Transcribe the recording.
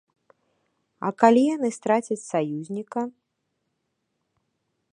А калі яны страцяць саюзніка?